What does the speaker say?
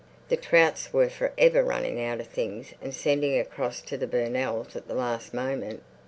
The Trouts were for ever running out of things and sending across to the Burnells' at the last moment.